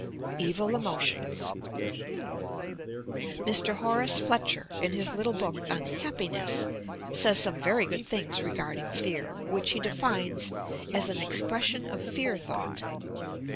EVn, EMOTIONS Mr. Horace Fletcher, in his little book on "Happiness" says some very good things regarding fear, which he defines as "an expression of fear thought."